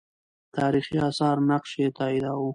تاریخي آثار نقش یې تاییداوه.